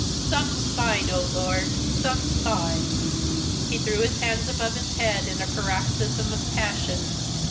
Some sign, O Lord, some sign!" He threw his hands above his head in a paroxysm of passion.